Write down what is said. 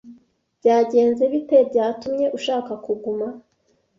Byagenze bite byatumye ushaka kuguma?